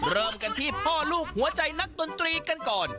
เริ่มกันที่พ่อลูกหัวใจนักดนตรีกันก่อน